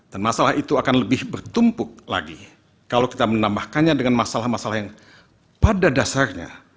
dan masalah itu akan lebih bertumpuk lagi kalau kita menambahkannya dengan masalah masalah yang pada dasarnya